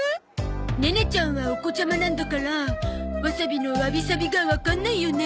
ネネちゃんはお子ちゃまなんだからわさびのわびさびがわかんないよね。